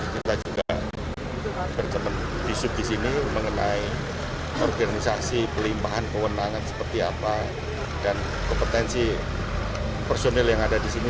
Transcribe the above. kita juga berjumpa disini mengenai organisasi pelimpahan kewenangan seperti apa dan kompetensi personil yang ada disini